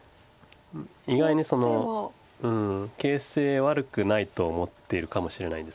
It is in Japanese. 意外に形勢悪くないと思ってるかもしれないです。